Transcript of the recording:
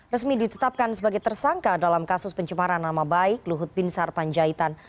resmi ditetapkan sebagai tersangka dalam kasus pencemaran nama baik luhut bin sarpanjaitan